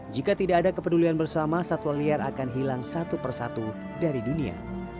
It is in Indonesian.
jika tidak ada kepedulian bersama satwa liar akan hilang satu persatu dari dunia